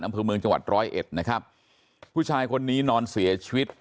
อำเภอเมืองจังหวัดร้อยเอ็ดนะครับผู้ชายคนนี้นอนเสียชีวิต